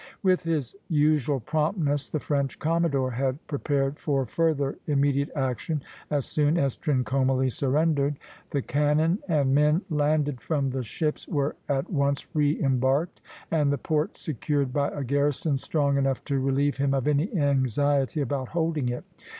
With his usual promptness the French commodore had prepared for further immediate action as soon as Trincomalee surrendered. The cannon and men landed from the ships were at once re embarked, and the port secured by a garrison strong enough to relieve him of any anxiety about holding it.